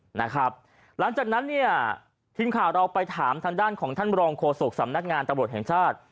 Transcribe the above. หลังจากนั้นเนี่ยทีมข่าวเราไปถามทางด้านของท่านบรองโฆษกสำนักงานตำรวจแห่งชาติ